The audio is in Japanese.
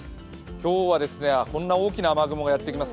今日はこんな大きな雨雲がやって来ます。